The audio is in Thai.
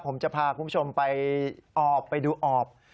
ผมจะพาคุณผู้ชมไปออบไปดูออบ